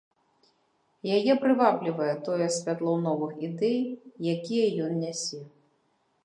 Яе прываблівае тое святло новых ідэй, якія ён нясе.